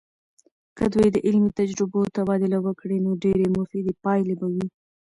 که دوی د علمي تجربو تبادله وکړي، نو ډیرې مفیدې پایلې به وي.